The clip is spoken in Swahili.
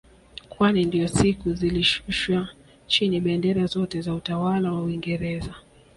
Kwani ndiyo siku zilishushwa chini bendera zote za utawala wa waingereza